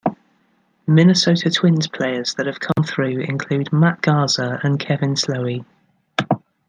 Minnesota Twins players that have come through include Matt Garza and Kevin Slowey.